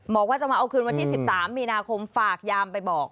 บอกว่าจะมาเอาคืนวันที่๑๓มีนาคมฝากยามไปบอก